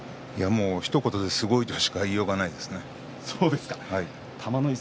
ひと言ですごいとしか言いようがないですね。